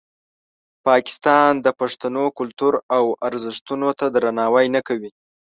پاکستان د پښتنو کلتور او ارزښتونو ته درناوی نه کوي.